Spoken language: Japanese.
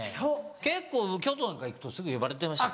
結構京都なんか行くとすぐ呼ばれてましたよ。